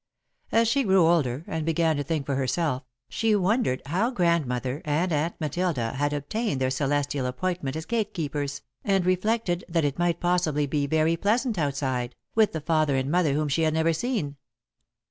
As she grew older and began to think for herself, she wondered how Grandmother and Aunt Matilda had obtained their celestial appointment as gate keepers, and reflected that it might possibly be very pleasant outside, with the father and mother whom she had never seen.